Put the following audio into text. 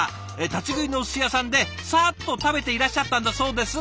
立ち食いのお寿司屋さんでサーッと食べていらっしゃったんだそうです